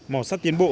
mỏ sắt tiến bộ